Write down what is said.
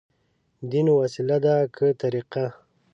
دين وسيله ده، که طريقه؟